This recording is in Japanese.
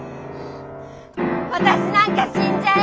私なんか死んじゃえ！